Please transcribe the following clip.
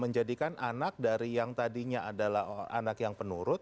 menjadikan anak dari yang tadinya adalah anak yang penurut